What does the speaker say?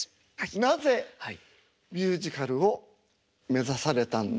なぜミュージカルを目指されたんですか？